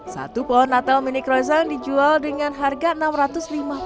satu pohon natal mini crozen dijual dengan harga rp enam ratus lima puluh